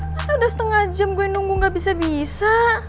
masa udah setengah jam gue nunggu gak bisa bisa